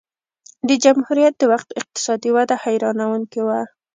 د جمهوریت د وخت اقتصادي وده حیرانوونکې وه